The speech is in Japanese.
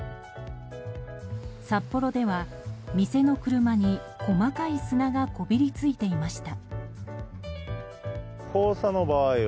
札幌では、店の車に細かい砂がこびりついていました。